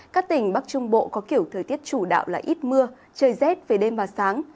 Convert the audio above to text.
các tỉnh bắc trung bộ có kiểu thời tiết chủ đạo là ít mưa trời rét về đêm và sáng